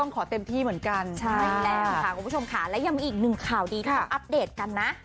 ขอเต็มที่เหมือนกันใช่แล้วค่ะคุณผู้ชมค่ะและยังมีอีกหนึ่งข่าวดีที่ต้องอัปเดตกันนะ